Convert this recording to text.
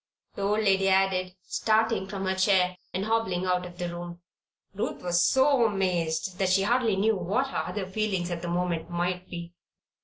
the old lady added, starting from her chair and hobbling out of the room. Ruth was so amazed that she hardly knew what her other feelings at the moment might be.